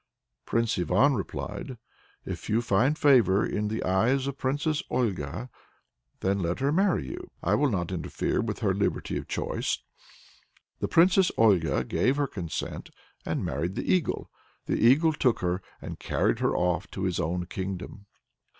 Prince Ivan replied: "If you find favor in the eyes of the Princess Olga, then let her marry you. I will not interfere with her liberty of choice." The Princess Olga gave her consent and married the Eagle. The Eagle took her and carried her off to his own kingdom.